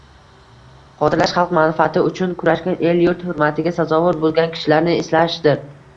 Xotirlash – xalq manfaati uchun kurashgan, el-yurt hurmatiga sazovor bo'lgan kishilarni eslashdir